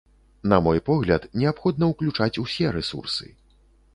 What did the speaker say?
На мой погляд, неабходна ўключаць ўсе рэсурсы.